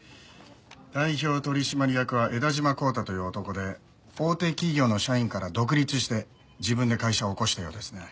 代表取締役は枝島孝多という男で大手企業の社員から独立して自分で会社を起こしたようですね。